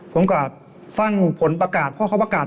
ผมก็ฟังผลประกาศเพราะเขาประกาศ